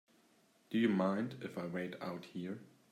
Do you mind if I wait out here?